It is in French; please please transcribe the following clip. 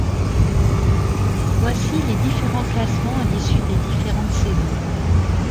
Voici les différents classements à l'issue des différentes saisons.